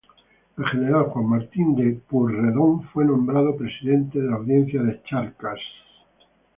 El general Juan Martín de Pueyrredón fue nombrado presidente de la Audiencia de Charcas.